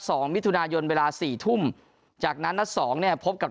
สองมิถุนายนเวลาสี่ทุ่มจากนั้นนัดสองเนี่ยพบกับ